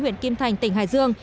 huyện kim thành tỉnh hải dương